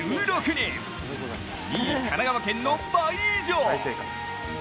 ２位・神奈川県の倍以上。